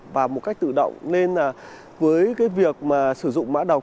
và một cách tự động nên với việc sử dụng mã độc